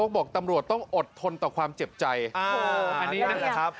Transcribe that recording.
บอกตำรวจต้องอดทนต่อความเจ็บใจอันนี้นั่นแหละครับ